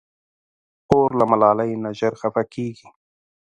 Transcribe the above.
خور له ملالۍ نه ژر خفه کېږي.